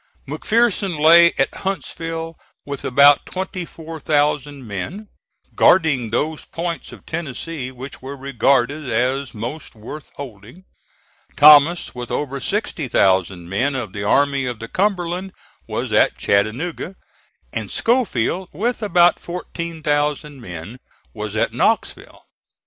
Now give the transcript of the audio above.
McPherson lay at Huntsville with about twenty four thousand men, guarding those points of Tennessee which were regarded as most worth holding; Thomas, with over sixty thousand men of the Army of the Cumberland, was at Chattanooga; and Schofield, with about fourteen thousand men, was at Knoxville.